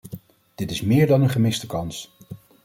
Dit is meer dan een gemiste kans.